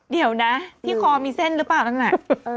เดี๋ยวนะที่คอมีเส้นหรือเปล่านั้นน่ะ